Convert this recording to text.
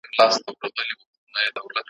بیا به سپی بیا به غپا وه بیا به شپه وه ,